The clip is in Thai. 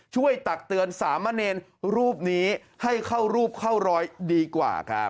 ตักเตือนสามเณรรูปนี้ให้เข้ารูปเข้ารอยดีกว่าครับ